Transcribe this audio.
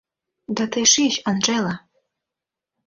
Да тый шич, Анжела!